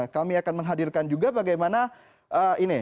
kami akan menghadirkan juga bagaimana ini